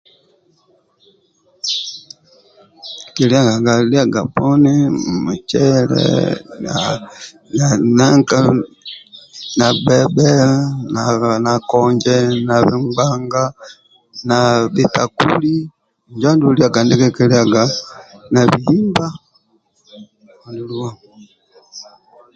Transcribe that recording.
nkilyagaga lyaga poni mcele na nanka gbebe na konje na ngbanga na bitakuli njo andulu lyaga ndyekiki lyagaga na bihimba